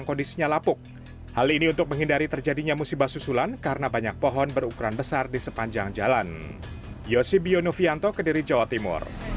kepala res banyakan kediri kota